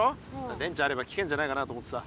電池あれば聞けんじゃないかなと思ってさ。